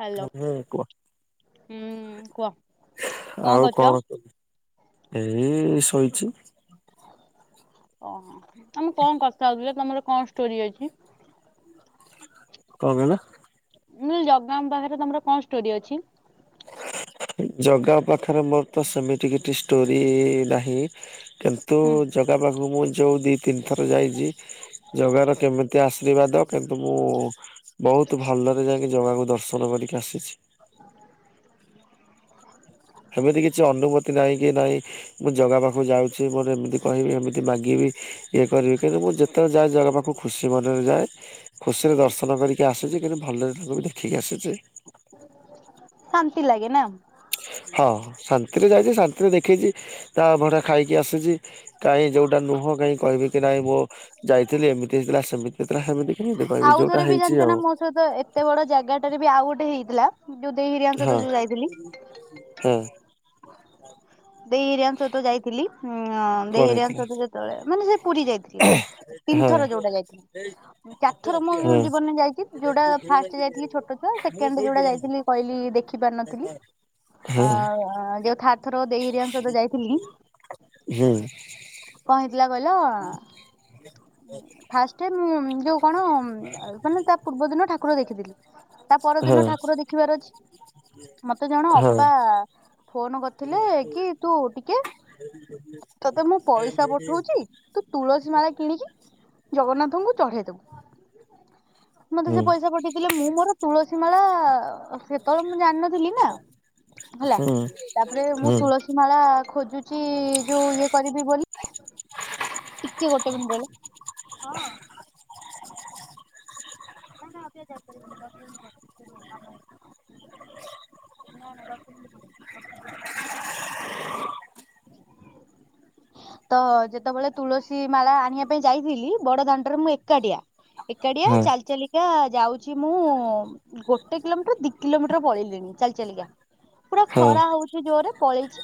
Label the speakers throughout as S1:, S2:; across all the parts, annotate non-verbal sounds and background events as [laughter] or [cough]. S1: Hello
S2: ହୁଁ କୁହ
S1: ହୁଁ କୁହ କଣ
S2: ଆଉ
S1: କରୁଛ?
S2: କଣ। ଏଇ ଶୋଇଛି
S1: ଓଃ ତମେ କଣ କଥା ହଉଥିଲ ତମର କଣ ଷ୍ଟୋରି ଅଛି।
S2: କଣ କହିଲ?
S1: ମୁଁ କହିଲି ଜଗନ୍ନାଥ୍ ଙ୍କ ପାଖରେ ତମର କଣ ଷ୍ଟୋରି ଅଛି।
S2: ଜଗା ପାଖରେ ମୋର ତ ସେମିତି କିଛି ଷ୍ଟୋରି ନାହିଁ କିନ୍ତୁ
S1: ହୁଁ
S2: ଜ ତା ପାଖକୁ ମୁଁ ଯଉ ଦି ତିନିଥର ଯାଇଛି। ଜଗା ର କେମିତି ଆଶୀର୍ବାଦ କିନ୍ତୁ ମୁଁ ବହୁତ ଭଲରେ ଯାଇକି ଜଗାକୁ ଦର୍ଶନ କରିକି ଆସିଛି। ସେମିତି କିଛି ଅନୁଭୁତି ନାହିଁ କି ନାଇଁ। ମୁଁ ଜଗା ପାଖୁକୁ ଯାଉଛି ମୋରୋ ଏମିତି କହିବି ଏମିତି ମାଗିବି। ଇଏ କରିବି କିନ୍ତୁ ମୁଁ ଯେତେବେଳେ ଯାଏ ଜଗା ପାଖକୁ ଖୁସି ମନରେ ଯାଏ। ଖୁସିରେ ଦର୍ଶନ କରିକି ଆସୁଛି, କିନ୍ତୁ ଭଲରେ ତାଙ୍କୁ ବି ଦେଖିକି ଆସୁଛି।
S1: ଶାନ୍ତି ଲାଗେ ନା।
S2: ହଁ ଶାନ୍ତିରେ ଯାଇକି ଶାନ୍ତିରେ ଦେଖେଇଚି ତା ଅଭଡ଼ା ଖାଇକି ଆସିଚି। କାଇଁ ଯୋଉଟା ନୁହଁ କାହିଁ କହିବି। କି ନାଇଁ ମୁଁ ଯାଇଥିଲି ଏମିତି ହେଇଥିଲା ସେମିତିଥିଲା ସେମିତି କେମିତି କହିବି ଯୋଉଟା ହେଇଛି ଆଉ।
S1: ସେତ ଏତେ ବଡ ଜାଗାଟାରେ ବି ଆଉ ଗୋଟେ ହେଇଥିଲା। ଯୋଉ ଦେଇ ହରିଆ
S2: ହଁ ହଁ।
S1: ଦେଇ ହେରିଆଙ୍କ ସହିତ ଯାଇଥିଲି ଉଁଆଁ ଦେଇ
S2: କଣ
S1: ହେରିଆଙ୍କ
S2: ହେଇଥିଲା
S1: ସହିତ ଯେତେବୋଳେ ମାନେ ସେ ପୁରୀ ଯାଇଥିଲି। ତିନ
S2: ହଁ
S1: ଥର ଯୋଉଟା ଯାଇଥିଲି। ଚାରଥର ମୋ
S2: ହଁ
S1: ଜୀବନରେ ଯାଇଚି ଯୋଉଡ଼ା ଫାର୍ଷ୍ଟ ଯାଇଥିଲି ଛୋଟୋ ଛୁଆ ସେକେଣ୍ଡ ଯୋଉଟା ଯାଇଥିଲି ପଇଲି ଦେଖିପାରି ନଥିଲି
S2: ହଁ
S1: ଆଉ ଯୋଉଥା ଥରକ ଦେଇ ହେରିଆଙ୍କ ସହିତ ଯାଇଥିଲି।
S2: ହୁଁ
S1: କଁ ହେଇଥିଲା କହିଲ। ଫାଷ୍ଟେ ମୁଁ ଯୋଉ କଣ ମାନେ ତା ପୂର୍ବ ଦିନ ଠାକୁର ଦେଖିଥିଲି।
S2: ହଁ
S1: ତାପରଦିନ ଠାକୁର ଦେଖିବାର ଅଛି। ମତେ ଜଣ
S2: ହଁ
S1: ଅପା ଫୋନୋ କରିଥିଲେ। କି ତୁ ଟିକେ ତତେ ମୁଁ ପଇସା ପଠୋଉଚି ତୁ ତୁଳସୀ ମାଳା କିଣିକି ଜଗନ୍ନାଥଙ୍କୁ ଚଢେଇଦବୁ। ମତେ
S2: ହୁଁ
S1: ସେ ପଇସା ପଠେଇଥିଲେ ମୁଁ ମୋରୋ ତୁଳସୀ ମାଳା ସେତୋବୋଳେ ମୁଁ ଜାଣିନଥିଲି ନା ହେଲା
S2: ହୁଁ
S1: ତାପରେ ମୁଁ
S2: ହୁଁ
S1: ତୁଳସୀ ମାଳା ଖୋଜୁଚି। ଯୋଉ ଇଏ କରିବି ବୋଲି ଟିକେ ଗୋଟେ ମିନିଟ ରହିଲ ହଁ। ନା ନା ଆଉ ଟିକେ ଯାଉ
S2: [inaudible]
S1: ତ ଯେତୋବୋଳେ ତୁଳସୀ ମାଳା ଆଣିବା ପାଇଁ ଯାଇଥିଲି ବଡ ଦାଣ୍ଡରେ ମୁଁ ଏକାଟିଆ। ଏକାଟିଆ
S2: ହଁ
S1: ଚାଲ ଚାଲିି ଆ ଯାଉଛି ମୁଁ ଗୋଟେ କିଲୋମିଟର ଦି କିଲୋମିଟର ପଳେଇଲିଣି ଚାଲି ଚାଲିକା। ପୁରା
S2: ହଁ
S1: ଖରା ହୋଉଚି ଜୋରେ ପଳେଇଚି।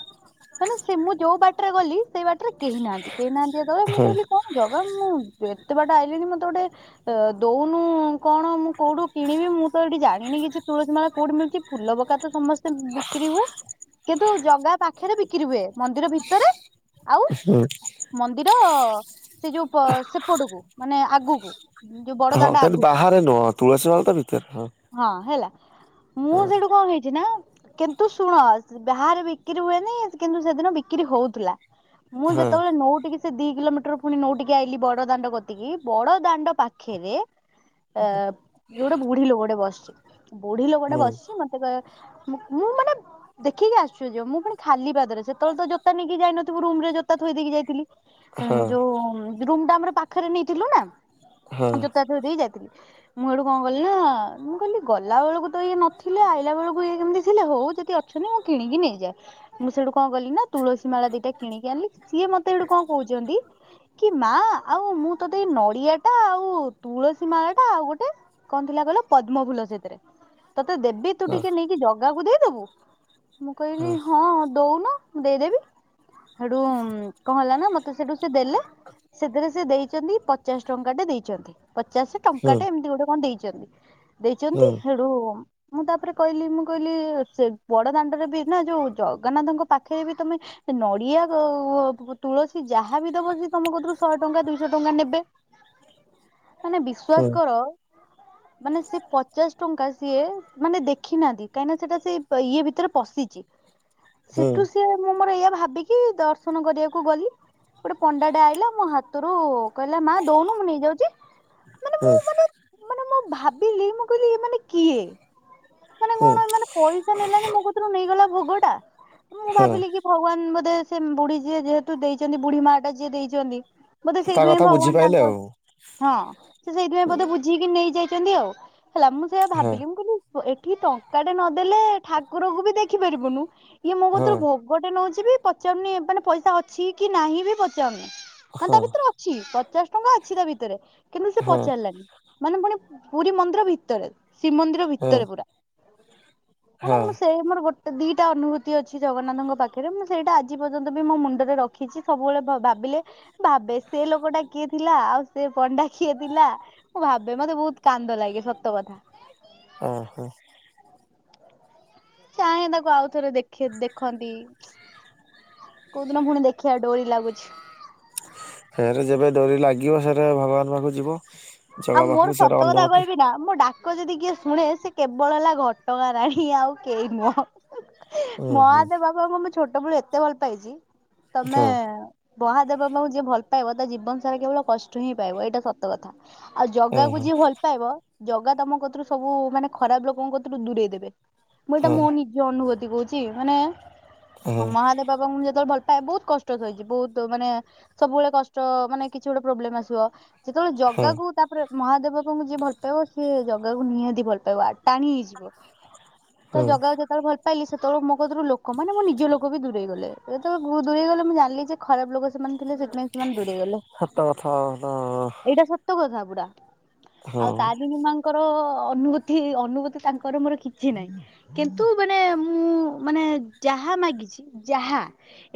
S1: ମାନେ ସେ ମୁଁ ଯୋଉ ବାଟେରେ ଗଲି ସେଇ ବା ଟେରେ କେହି ନାହାନ୍ତି କେହି ନାହାନ୍ତି ଯେତୋବୋଳେ ମୁଁ
S2: ହଁ
S1: କହିଲି କଣ ଜଗା ମୁଁ ଦେ ଏତେ ବାଟ ଆଇଲିଣି ମତେ ଗୋଟେ ଅଁ ଦୋଉନୁ କଣ ମୁଁ କୋଉଠୁ କିଣିବି ମୁଁ ତ ଏଠି ଜାଣିନି କିଛି ତୁଳସୀ ମାଳା କୋଉଠି ମିଳୁଚି। ଫୁଲ ପକା ତ ସମସ୍ତେ ବିକ୍ରି ହୁଏ କିନ୍ତୁ ଜଗା ପାଖେରେ ବିକିରୀ ହୁଏ ମନ୍ଦିର ଭିତରେ। ଆଉ
S2: ହୁଁ
S1: ମନ୍ଦିର ସେ ଯୋଉ ପ ସେପଟୁକୁ ମାନେ ଆଗୁକୁ।
S2: ହଁ [unintelligible] ବାହାରେ ନୁହଁ, ତୁଳସୀ ମାଳ ତ ଭିତରେ ହଁ।
S1: ହଁ ହେଲା ମୁଁ
S2: ହଁ
S1: ସେଠୁ କଁ ହେଇଛି ନା। କିନ୍ତୁ ଶୁଣ ବାହାରେ ବିକ୍ରିରି ହୁଏନି କିନ୍ତୁ ସେଦିନ ବିକିରୀ ହୋଉଥିଲା। ମୁଁ
S2: ହଁ
S1: ଯେତୋବୋଳେ ନୋଉଟିକି ସେ ଦି କିଲୋମିଟର ଫୁଣି ନୋଉଟିକି ଆଇଲି ବଡ ଦାଣ୍ଡ କତିକି ବଡ ଦାଣ୍ଡ ପା ଖେରେ ଅ [unintelligible] ବୁଢୀ ଲୋକୋ ଟେ ବସଚି। ବୁଢୀ ଲୋକୋଟା
S2: ହୁଁ
S1: ବସିଛି ମତେ କହ ମୁଁ ମୁଁ ମାନେ ଦେଖିକି ଆଶ୍ଚର୍ଯ୍ୟ ମୁଁ ଫୁଣି ଖାଲି ପାଦରେ ସେତୋବୋଳେ ତ ଜୋତା ନେଇକି ଯାଇନ ଥିବୁ ରୁମରେ ଜୋତା ଥୋଇ ଦେଇକି ଯାଇଥିଲି ଉଁ
S2: ହଁ
S1: ଯୋଉ ରୁମ ଟା ଆମର ପାଖେରେ ନେଇଥିଲୁ ନା।
S2: ହଁ
S1: ଜୋତା ଥୋଇଦେଇକି ଯାଇଥିଲି। ମୁଁ ହେଠୁ କଁ କଲି ନା ମୁଁ କହିଲି ଗଲା ବେଳୁକୁ ତ ଇଏ ନଥିଲେ ଆଇଲା ବେଳୁକୁ ଇଏ କେମିତି ଥିଲେ ହୋଉ ଯଦି ଅ ଛନ୍ତି ମୁଁ କିଣିକି ନେଇଯାଏ ମୁଁ ସେଠୁ କଁ କଲି ନା ତୁଳସୀ ମାଳା ଦିଟା କିଣିକି ଆଣିଲି ସିଏ ମତେ ହେଟୁ କଁ କୋହୁଚନ୍ତି। କି ମା ଆଉ ମୁଁ ତତେ ନଡିଆ ଟା ଆଉ ତୁଳସୀ ମାଳା ଟା ଆଉ ଗୋଟେ କଁ ଥିଲା କହିଲ ପଦ୍ମଫୁଲ ସେଥିରେ, ତତେ ଦେବି ତୁ
S2: ହଁ
S1: ଟିକେ ନେଇକି ଜଗାକୁ ଦେଇଦବୁ। ମୁଁ କହିଲି ହଁ ଦଉନ ଦେଇଦେବି। ସେଠୁ ଉଁ କ'ଣ ହେଲା ନା ମତେ ସେଠୁ ସେ ଦେଲେ। ସେଥିରେ ସେ ଦେଇଛନ୍ତି। ପଚାଶ ଟଙ୍କା ଟେ ଦେଇଛନ୍ତି। ପଚାଶ ଟଙ୍କା
S2: ହୁଁ
S1: ଟେ ଏମିତି ଗୋଟେ କ'ଣ ଦେଇଛନ୍ତି। ଦେଇଛନ୍ତି
S2: ହୁଁ
S1: ସେଠୁଁ। ମୁଁ ତାପରେ କହିଲି। ମୁଁ କହିଲି ସେ ବଡ ଦାଣ୍ଡରେ ବି ନା ଯୋଉ ଜଗନ୍ନାଥଙ୍କ ପାଖରେ ବି ତମେ ସେ ନଡିଆ କଉ ପ ତୁଳସୀ ଯାହା ବିି ଦବ ସିଏ ତମ କତରୁ ଶହେ ଟଙ୍କା ଦୁଇଶହ ଟଙ୍କା ନେବେ।
S2: ହଁ [inaudible]
S1: ମାନେ ବିଶ୍ୱାସ କର। ମାନେ ସେ ପଚାଶ ଟଙ୍କା ସିଏ ମାନେ ଦେଖି ନାହାନ୍ତି କାହିଁକିନା ସେଟା ସେ ଇଏ ଭିତରେ ପଶି ଚି
S2: ହୁଁ
S1: ସେଠୁ ସିଏ ମୁଁ ମୋର ଏଇଆ ଭାବିକି ଦର୍ଶନ କରିବାକୁ ଗଲି। ଗୋଟେ ପଣ୍ଡା ଟେ ଆଇଲା ମୋ ହାତରୁ କହିଲା ମା ଦଉନୁ ମୁଁ ନେଇଯାଉଛି। ମାନେ
S2: ହୁଁ
S1: ମୁଁ ମାନେ ମାନେ ମୁଁ ଭାବିଲି। ମୁଁ କହିଲି ଇଏ ମାନେ କିଏ? ମାନେ
S2: ହୁଁ
S1: କ'ଣ ଏମାନେ ପଇସା ନେଲାନି? ମୋ କତିରୁ ନେଇଗଲା ଭୋଗ ଟା ମୁଁ
S2: ହଁ
S1: ଭାବିଲି କି ଭଗବାନ ମୁଁ ବୋଧେ ସେ ବୁଢୀ ଯିଏ ଯେହେତୁ ଦେଇଛନ୍ତି। ବୁଢୀ ମା ଟା ଯିଏ ଦେଇଛନ୍ତି। ବୋଧେ
S2: ତା
S1: ସେଇଥିପାଇଁ
S2: କଥା
S1: ଭଗବାନ
S2: ବୁଝିପାଇଲେ
S1: ତାଙ୍କ
S2: ଆଉ
S1: ହଁ ସେ ସେଇଥିପାଇଁ ବୋଧେ ବୁଝିକି ନେଇ ଯାଇଛନ୍ତି ଆଉ। ହେଲା ମୁଁ ସେଇୟଆ
S2: ହଁ
S1: ଭାବିଲ! ମୁଁ କହିଲି ପ ଏଠି ଟଙ୍କା ଟେ ନଦେଲେ ଠାକୁରକୁ ବି ଦେଖିପାରିବୁନୁ। ଇଏ ମୋ
S2: ହଁ
S1: କତରୁ ଭୋଗଟେ ନଉଛି, ବି ପଚାରୁନି ମାନେ ପଇସା ଅଛି କି ନାହିଁ ବି ପଚାରୁନି। ହଁ ତା ଭିତରେ ଅଛି ପଚାଶ ଟଙ୍କା ଅଛି। ତା ଭିତରେ କିନ୍ତୁ ସେ
S2: ହଁ
S1: ପଚାରିଲାନି। ମାନେ ପୁଣି ପୁରୀ ମନ୍ଦିର ଭିତରେ ଶ୍ରୀମନ୍ଦିର
S2: ହଁ
S1: ଭିତରେ ପୁରା। ମାନେ
S2: ହଁ।
S1: ମୁଁ ସେଇ ମୋର ଗୋଟେ ଦିଟା ଅନୁଭୂତି ଅଛି ଜଗନ୍ନାଥଙ୍କ ପାଖ ମୁଁ ସେଇଟା ଆଜି ପର୍ଯ୍ୟନ୍ତ ବି ମୋ ମୁଣ୍ଡରେ ରଖିଛି ସବୁବେଳେ ବା ଭାବିଲେ। ଭାବେ ସେ ଲୋକଟା କିଏ ଥିଲା? ଆଉ ସେ ପଣ୍ଡା କିଏ ଥିଲା? ମୁଁ ଭାବେ ମତେ ବହୁତ କାନ୍ଦ ଲାଗେ ସତ କଥା।
S2: ଓହୋ
S1: ଚାହେଁ ତାକୁ ଆଉ ଥରେ ଦେଖ ଦେଖନ୍ତି। କୋଉ ଦିନ ପୁଣି ଦେଖିବା ଡୋରି ଲାଗୁଛି।
S2: ଫେରେ ଯେବେ ଡୋରି ଲାଗିବ ସେରେ ଭଗବାନ ପାଖକୁ ଯିବ।
S1: ଆଉ
S2: ଜଗା
S1: ମୋର
S2: ପାଖକୁ ସେରା
S1: ସତ କଥା
S2: ଅନୁଭୂତି
S1: କହିବି ନା ମୁଁ ଡାକ ଲୋକ ଯଦି କିଏ ଶୁଣେ ସେ କେବଳ ହେଲା ଘଟ ଗାଁ ରାଣୀ ଆଉ କେହି ନୁହ।
S2: ହୁଁ ହୁଁ
S1: ମହାଦେବ ବାବା ଙ୍କୁ ମୋ ଛୋଟବେଳୁ ଏତେ ଭଲ ପାଇଛି ତମେ।
S2: ହଁ
S1: ମହାଦେବ ବାବା ଙ୍କୁ ଯିଏ ଭଲ ପାଇବ। ତା ଜୀବନ ସାରା କେବଳ କଷ୍ଟ ହିଁ ପାଇବ ଏଇଟା ସତ କଥା। ଆଉ ଜଗାକୁ
S2: ଓହୋ
S1: ଯିଏ ଭଲ ପାଇବ। ଜଗା ତମ କତିରୁ ସବୁ ମାନେ ଖରାପ ଲୋକଙ୍କ କତିରୁ ଦୂରେଇ ଦେବେ। ମୁଁ ଏଇଟା
S2: ହଁ
S1: ମୋ ନିଜ ଅନୁଭୂତି କହୁଛି ମାନେ ହଁ ମହାଦେବ ଙ୍କୁ ମୁଁ ଯେତେବେଳେ ଭଲ ପାଏ ବହୁତ କଷ୍ଟ ସହିଛି ବହୁତ ମାନେ ସବୁବେଳେ କଷ୍ଟ ମାନେ କିଛି ଗୋଟେ ପ୍ରୋବ୍ଲେମ ଆସିବ। ଯେତେବେଳେ ଜ
S2: ହଁ
S1: ଜଗାକୁ ତାପରେ ମହାଦେବ ଙ୍କୁ ଯିଏ ଭଲ ପାଇବ ସିଏ ଜଗା କକୁ ନିହାତି ଭଲ ପାଇବ ଟାଣି ହେଇଯିବ।
S2: [inaudible]
S1: ତ ଜାଗାକୁ ଯେତେବେଳେ ଭଲ ପାଇଲି ସେତେବେଳେ ମୋ କତିରୁ ଲୋକ ମାନେ ମୋ ନିଜ ଲୋକ ବି ଦୂରେଇ ଗଲେ ଯେତେବେଳେ ଦୂରେଇ ଗଲେ ମୁଁ ଜାଣିଲି ଯେ ଖରାପ ଲୋକ ସେମାନେ ଥିଲେ, ସେଥିପାଇଁ ସେମାନେ ଦୂରେଇ ଗଲେ।
S2: ସତ କଥା ତ
S1: ଏଇଟା ସତ କଥା ପୁରା।
S2: ହଁ
S1: ଆଉ ତାରଣୀ ମାଙ୍କର ଅନୁଭୂତି ଅନୁଭୂତି ତାଙ୍କର ମୋର କିଛି ନାହିଁ। କିନ୍ତୁ ମାନେ ମୁଁ ମାନେ ଯାହା ମାଗିଛି ଯାହା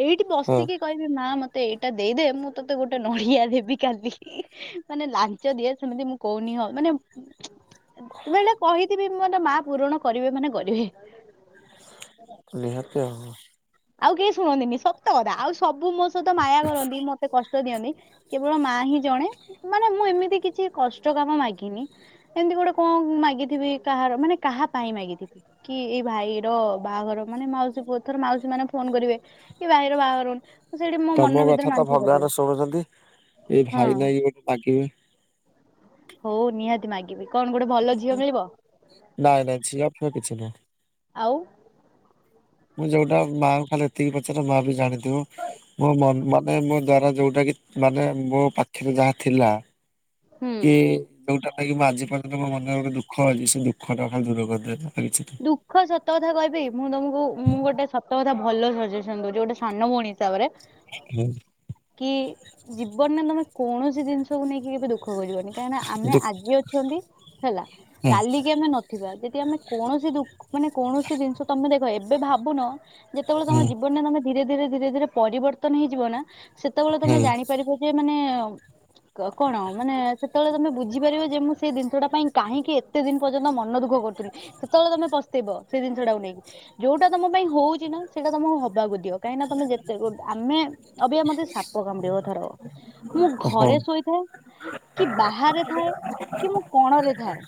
S1: ଏଇଠି
S2: ହଁ
S1: ବସିକି କହିବି ମା ମତେ ଏଇଟା ଦେଇଦେ ମୁଁ ତତେ ଗୋଟେ ନଡିଆ ଦେବି କାଲି।
S2: [inaudible]
S1: ମାନେ ଲାଞ୍ଚ ଦିଏ ସେମିତି ମୁଁ କହୁନି ହ ମାନେ କେତେବଳେ କହିଥିବି ମୋ ମା ପୁରଣ କରିବେ ମାନେ କରିବେ।
S2: ନିହାତି ଆଉ।
S1: ଆଉ କେହି ଶୁଣନ୍ତିନି ସତ କଥା। ଆଉ ସବୁ ମୋ ସହିତ ମାୟା କରନ୍ତି ମତେ କଷ୍ଟ ଦିଅନ୍ତି। କେବଳ ମା ହିଁ ଜଣେ। ମାନେ ମୁଁ ଏମିତି କିଛି କଷ୍ଟ କାମ ମାଗିନି। ଏମିତି ଗୋଟେ କଣ ମାଗିଥିବି କାହାର ମାନେ କାହା ପାଇଁ ମାଗିଥିବି। କି ଏଇ ଭାଇ ର ବାହାଘର ମାନେ ମାଉସୀ ପୁଅ ଥର ମାଉସୀ ସେମାନେ ଫୋନ କରିବେ କି ଭାଇର ବାହାଘର ହେଉ
S2: ତମ କଥା ତ ଭଗବାନ ଶୁଣୁଛନ୍ତି। ଏଇ
S1: ହଁ
S2: ଭାଇ ନାଇଁ ମାଗିବି
S1: ହଉ ନିହାତି ମାଗିବେ।
S2: ନାଇଁ ନାଇଁ ଯଝିପ କିଛି ନାହଁ।
S1: ଆଉ,
S2: ମୁଁ ଯୋଉଟା ମାଆ କ ଖାଲି ଏତିକି ପଚାରିଲ ମା ବି ଜାଣିଥିବ ମୋ ମାନେ ମୋ ଦ୍ଵାରା ଯୋଉଟା କି ମାନେ ମୋ ପାଖରେ ଯାହା ଥିଲା।
S1: ହୁଁ
S2: କେ ଯୋଉଟାଁ ପାଇକି ମୁଁ ଆଜି ପର୍ଯ୍ୟନ୍ତ ମୋ ମନରେ ଗୋଟେ ଦୁଖ ଅଛି ସେ ଦୁଃଖଟା ଖାଲି ଦୂର କରିଦିଅନ୍ତୁ ଆଉ କିଛି ନାହିଁ।
S1: ସୁଖ ସତ କଥା କହିବି, ମୁଁ ତମକୁ ମୁଁ ଗୋଟେ ସତ କ ଭଲ ସଜେସନ ଦଉଛି ଗୋଟେ ସାନ ଭଉଣୀ ହିସାବରେ
S2: ହୁଁ।
S1: କି ଜୀବନରେ ତମେ କୌଣସି ଜିନିଷକୁୁ ନେଇକି କେବେ ଦୁଃଖ ଦୁଃଖ କରିବନି କାହିଁକିନା ଆମେ
S2: ଦୁଃ
S1: ଆଜି ଅଛନ୍ତି ହେଲା
S2: ହୁଁ
S1: କାଲିକି ଆମେ ନଥିବା। ଯଦି ଆମେ କୌଣସି ଦୁଃଖ ମାନେ କୌଣସି ଜିନିଷ ତମେ ଦେଖ ଏବେ ଭାବୁନ ଯେତେବେଳେ ତମ
S2: ହୁଁ
S1: ଜୀବନରେ ତମେ ଧୀରେ ଧୀରେ ଧୀରେ ଧୀରେ ପରିବର୍ତ୍ତନ ହେଇଯିବ ନା ସେତେବେଳେ ତମେ
S2: ହୁଁ
S1: ଜାଣିପାରିବ ଯେ ମାନେ କଣ ମାନେ ସେତେବେଳେ ତମେ ବୁଝିପାରିବ ଯେ ମୁଁ ସେଇ ଜିନିଷ ଟା ପାଇଁ କାହିଁକି ଏତେ ଦିନ ପର୍ଯ୍ୟନ୍ତ ମନ ଦୁଃଖ କରୁଥିଲେ। ସେତେବେଳେ ତମେ ପସ୍ତେଇବ ସେ ଜିନିଷ ଟାକୁ ନେଇକି ଯୋଉଟା ତମ ପାଇଁ ହଉଛି ନା ସେଇଟା ତମକୁ ହବାକୁ ଦିଅ। କାହିଁକି ନା ତମେ ଯେତେ ଗେ ଆମେ ଅବୟ ମତେ ସାପ କାମୁଡିବ ଥର ମୁଁ ଘରେ
S2: ହଁ
S1: ଶୋଇଥାଏ କି ବାହାରେ ଥାଏ କି, ମୁଁ କଣରେ ଥାଏ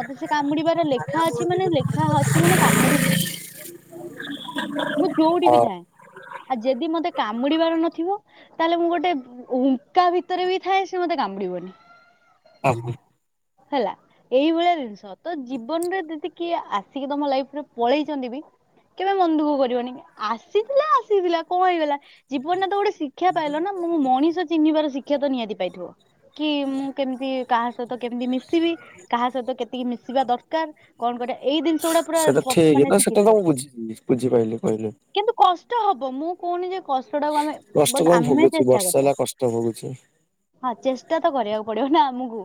S1: ମତେ ସେ କାମୁଡିବାର ଲେଖା ଅଛି ମାନେ ଲେଖା ଅଛି ମାନେ କାମୁଡିବ ମୁଁ ଯୋଉଠି ବି ଥାଏ। ଆଉ ଯଦି ମତେ କାମୁଡିବାର ନଥିବ ତାହେଲେ ମୁଁ ଗୋଟେ ଉଙ୍କା ଭିତରେ ବି ଥାଏ, ସେ ମତେ କାମୁଡିବନି।
S2: ହଁ।
S1: ହେଲା ଏଇଭଳିଆ ଜିନିଷ। ତ ଜୀବନରେ ତି କିଏ ଆସିକି ତମ ଲାଇଫରେ ପଳେଇଛନ୍ତି ବି କେବେ ମନଦୁଃଖ କରିବନି ଆସିଥିଲା ଆସିଥିଲା କଣ ହେଇଗଲା। ଜୀବନରେ ତ ଗୋଟେ ଶିକ୍ଷା ପାଇଲ ନା ମୁଁ ମଣିଷ ଚିହ୍ନିବାର ଶିକ୍ଷା ତ ନିହାତି ପାଇଥିବ। କି ମୁଁ କେମିତି କାହା ସହିତ କେମିତି ମିଶିବି କାହା ସହିତ କେତିକି ମିଶିବା ଦରକାର, କଣ କରିବା ଏଇ ଜିନିଷ ଗୁଡା ପୁରା
S2: ସେଟା ଠିକ
S1: ମାନେ
S2: ନା ସେଟା ତ
S1: ଶିଖିଥିବ।
S2: ମୁଁ ବୁଝିଲି ବୁଝିପାଇଲି କହିଲେ।
S1: କିନ୍ତୁ କଷ୍ଟ ହବ। ମୁଁ କହୁନି ଯେ କଷ୍ଟ ଟାକୁ ଆମେ
S2: କଷ୍ଟ
S1: ବଟ
S2: ତ ମୁଁ
S1: ଆମେ
S2: ଭୋଗୁଛି
S1: ଚେଷ୍ଟା
S2: ବର୍ଷେ
S1: କରିବା।
S2: ହେଲା କଷ୍ଟ ଭୋଗୁଛି।
S1: ହଁ, ଚେଷ୍ଟା ତ କରିବାକୁ ପଡିବ ନା ଆମକୁ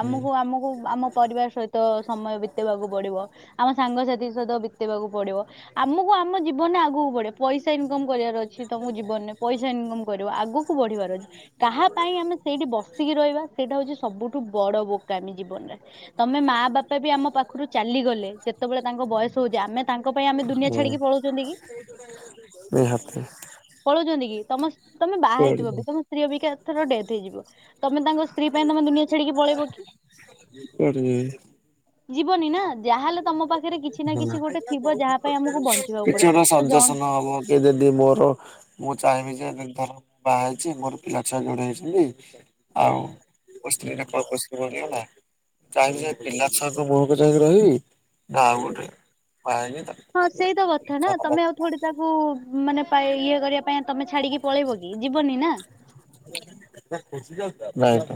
S2: ହୁଁ
S1: ଆମକୁ ଆମକୁ ଆମ ପରିବାର ସହିତ ତ ସମୟ ବିତେଇବାକୁ ପଡିବ। ଆମ ସାଙ୍ଗସାଥି ସହିତ ବିତେଇବାକୁ ପଡିବ। ଆମକୁ ଆମ ଜୀବନରେ ଆଗକୁ ବଢେ ପଇସା ଇନକମ କରିବାର ଅଛି। ସେଏ ତମ ଜୀବନରେ ପଇସା ଇନକମ୍ କରିବ ଆଗକୁ ବଢିବାର ଅଛି। କାହା ପାଇଁ ଆମେ ସେଇଠି ବସିକି ରହିବା? ସେଇଟା ହଉଛି ସବୁଠୁ ବଡ ବୋକାମୀ ଜୀବନରେ ତମେ ମା ବାପା ବି ଆମ ପାଖ ପାଖରୁ ଚାଲିଗଲେ। ଯେତେବେଳେ ତାଙ୍କ ବୟସ ହଉଛି ଆମେ ତାଙ୍କ ପାଇଁ ଆମେ ଦୁନିଆ
S2: ହୁଁ
S1: ଛାଡିକି ପଳଉଛନ୍ତି କି?
S2: ନିହାତି
S1: ପଳଉଛନ୍ତି କି? ତମ ତମେ ବାହା
S2: କୁଆଡେ
S1: ହେଇଥିବ
S2: ଯିବି
S1: ବି ତମ ସ୍ତ୍ରୀ ଅବିକା ଏଥର ଡେଥ ହେଇଯିବ? ତମେ ତାଙ୍କ ସ୍ତ୍ରୀ ପାଇଁ ତମେ ଦୁନିଆଁ ଛାଡ଼ିକି ପଳେଇବ କି?
S2: ଏଠ
S1: ଯିବନି ନା, ଯାହାହେଲେ ତମ ପାଖରେ କିଛି ନା
S2: ହୁଁ
S1: କିଛି ଗୋଟେ ଥିବ ଯାହା ପାଇଁ ଆମକୁ ବଞ୍ଚିବାକୁ ପଡେ। ତ ଜଣେ
S2: କେବେବି ମୋର ମୁଁ ଚାହିଁବି ଯେ ଧର ବାହା ହେଇଛି ମୋର ପିଲା ଛୁଆ ଜୋଡ଼େ ଅଛନ୍ତି। ଆଉ [unintelligible] [unintelligible] ଯାଇକି ଯ ପିଲା ଛୁଆଙ୍କ ମୁହକୁ ଯାଇକି ରହିବି। ଆଉ ଗୋଟେ ବାହା ହେଇନି ତ?
S1: ହଁ ସେଇତ କଥା ନା ତମେ ଆଉ ଥଡ଼େ ତାକୁ ମାନେ ପାଇ ଇଏ କରିବା ପାଇଁ ତମେ ଛାଡ଼ିକି ପଳେଇବ କି ଯିବନି ନା।
S2: ନାଇଁତ।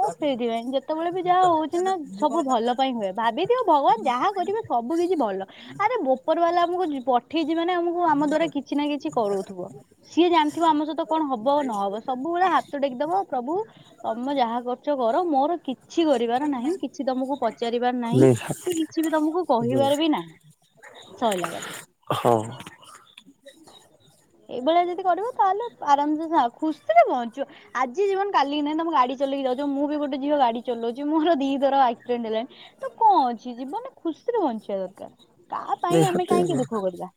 S1: ହ ସେଇଥିପାଇଁ ଯେତେବେଳେ ବି ଯାହା ହଉଛି ନା ସବୁ ଭଲ ପାଇଁ ହୁଏ ଭାବିଦିଅ ଭଗବାନ ଯାହା କରିବେ ସବୁ କିଛି ଭଲ ଆରେ ବୋପର ବାଲା ଆମକୁ ଜ ପଠେଇଛି ମାନେ ଆମକୁ କୁ ଆମ ଦ୍ଵାରା କିଛିନା କିଛି କରଉଥିବ ସିଏ ଜାଣିଥିବ ଆମ ସହିତ କଣ ହବ ନହବ। ସବୁବେଳେ ହାତ ଟେକିଦବ ପ୍ରଭୁ ତମେ ଯାହା କ ଚ କର ମୋର କିଛି କରିବାର ନାହିଁ କିଛି ତମକୁ ପ ଚାରିବାର ନାହିଁ
S2: ନିହାତି
S1: କି କିଛି ବି ତମକୁ କହିବାର ବି ନାହିଁ ସଇଲା କଥା।
S2: ହଁ।
S1: ଏଇଭଳିଆ ଯଦି କରିବ ତାହେଲେ ଆରାମସେ ଖୁସିରେ ବଞ୍ଚିବ। ଆଜି ଜୀବନ କାଲିିକି ନାହିଁ ତମେ ଗାଡ଼ି ଚଲେଇକି ଯାଉଛ ମୁଁ ବି ଗୋଟେ ଝିଅ ଗାଡ଼ି ଚଲଉଛି ମୋର ଦି ଥର ଆକ୍ସିଡେଣ୍ଟ ହେଲାଣି। ତ କଁ ଅଛି ଜୀବନ ଖୁସିରେ ବଞ୍ଚିବା ଦରକାର ତା ପାଇଁ ଆମେ
S2: ନିହାତି ଆଉ।
S1: କାହିଁକି ଦୁଃଖ କରିବା।